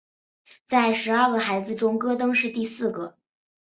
在十二个孩子中戈登是第四个。